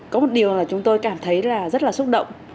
có một điều mà chúng tôi cảm thấy rất là xúc động